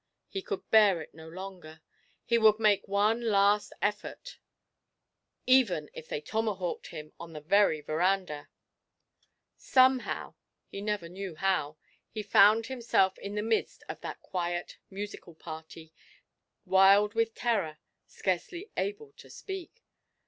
He could bear it no longer; he would make one last effort, even if they tomahawked him on the very verandah. Somehow he never knew how he found himself in the midst of that quiet musical party, wild with terror, scarcely able to speak.